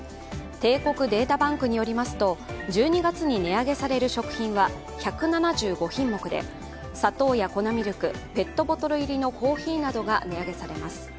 帝国データバンクによりますと１２月に値上げされる食品は１７５品目で砂糖や粉ミルク、ペットボトル入りのコーヒーなどが値上げされます。